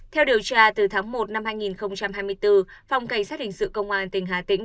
theo điều tra từ tháng một năm hai nghìn hai mươi bốn phòng cảnh sát hình sự công an tỉnh hà tĩnh